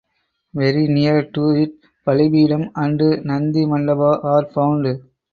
Very near to it bali peetam and nandhi mandapa are found.